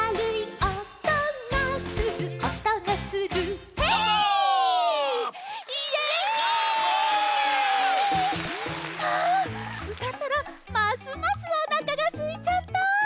あうたったらますますおなかがすいちゃった。